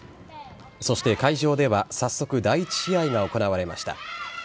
そして会場では早速、第１試合が行われました。